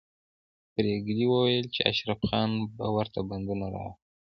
پريګلې وویل چې اشرف خان به ورته بندونه راوړي